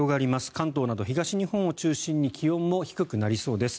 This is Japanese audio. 関東など東日本を中心に気温も低くなりそうです。